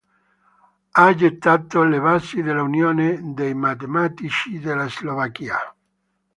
Ha gettato le basi dell'Unione dei matematici della Slovacchia.